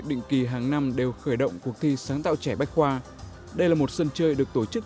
định kỳ hàng năm đều khởi động cuộc thi sáng tạo trẻ bách khoa đây là một sân chơi được tổ chức